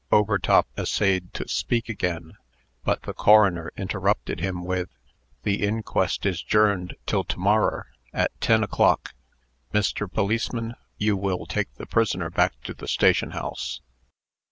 Overtop essayed to speak again; but the coroner interrupted him with, "The inquest is 'journed till to morrer, at ten o'clock. Mr. Policeman, you will take the prisoner back to the station house."